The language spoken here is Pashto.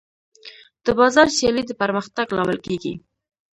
د بازار سیالي د پرمختګ لامل کېږي.